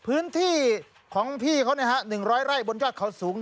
พื้นที่ของพี่เขา๑๐๐ไร่บนยอดเขาสูง